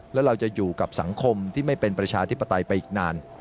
แล้วเราจะอยู่กับสังคมที่ไม่เป็นประชาธิปไตยไปอีกนาน